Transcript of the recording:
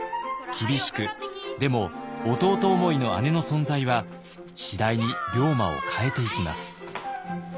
厳しくでも弟思いの姉の存在は次第に龍馬を変えていきます。